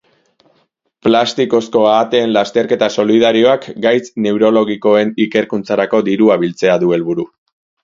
Plastikozko ahateen lasterketa solidarioak gaitz neurologikoen ikerkuntzarako dirua biltzea du helburu.